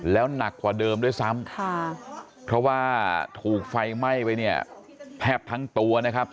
แล้วหนักกว่าเดิมด้วยซ้ำค่ะเพราะว่าถูกไฟไหม้ไปเนี่ยแทบทั้งตัวนะครับ